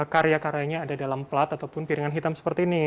karya karyanya ada dalam plat ataupun piringan hitam seperti ini